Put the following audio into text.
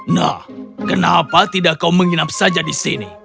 nah kenapa tidak kau menginap saja di sini